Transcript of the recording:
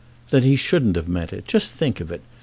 "Then he shouldn't have meant it. Just think of it.